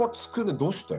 どうして？